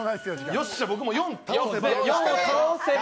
よっしゃ、僕も４を倒せば。